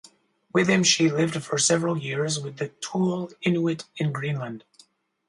With him she lived for several years with the Thule Inuit in Greenland.